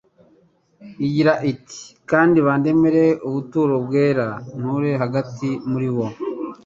igira ati :" Kandi bandemere ubuturo bwera nture hagati muri bo."